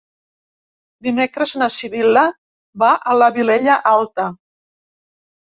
Dimecres na Sibil·la va a la Vilella Alta.